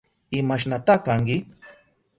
¿Imashnata kanki?